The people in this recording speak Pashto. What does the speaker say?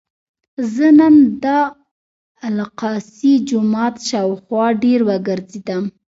زه نن د الاقصی جومات شاوخوا ډېر وګرځېدم.